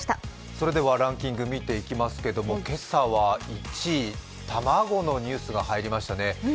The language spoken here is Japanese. それではランキング見ていきますけれども、今朝は１位、卵のニュースが入りましたね。